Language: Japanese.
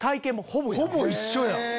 ほぼ一緒やん！